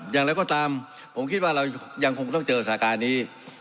อย่างไรก็ตามผมคิดว่าเรายังคงต้องเจอสถานการณ์นี้